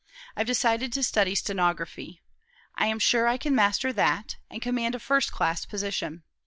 I've decided to study stenography. I am sure I can master that, and command a first class position.